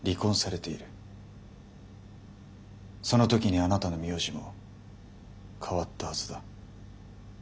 その時にあなたの名字も変わったはずだ。